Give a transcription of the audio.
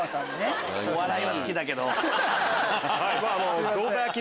お笑いは好きだけど。